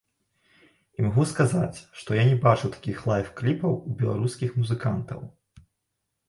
І магу сказаць, што я не бачыў такіх лайф-кліпаў у беларускіх музыкантаў.